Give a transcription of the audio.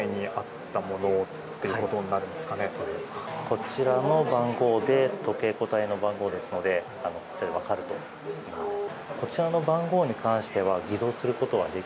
こちらの番号で時計個体の番号ですのでこちらで分かるということです。